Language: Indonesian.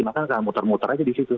maka akan muter muter aja di situ